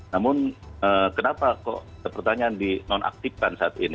namun kenapa kok pertanyaan di nonaktifkan saat ini